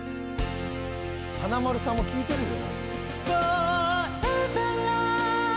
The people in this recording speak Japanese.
華丸さんも聞いてるよ。